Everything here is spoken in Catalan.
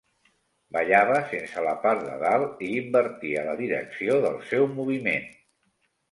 Ballava sense la part de dalt i invertia la direcció del seu moviment.